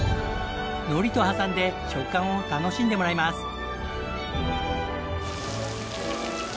海苔と挟んで食感を楽しんでもらいます。